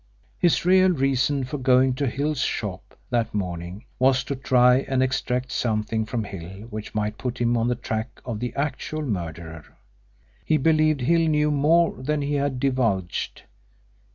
His real reason for going to Hill's shop that morning was to try and extract something from Hill which might put him on the track of the actual murderer. He believed Hill knew more than he had divulged.